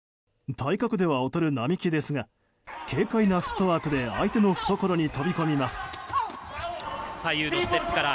体格では劣る並木ですが軽快なフットワークで相手の懐に飛び込みます。